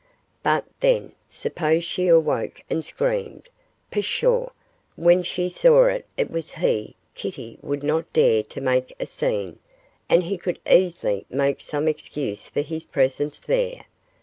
But, then, suppose she awoke and screamed pshaw! when she saw it was he Kitty would not dare to make a scene, and he could easily make some excuse for his presence there.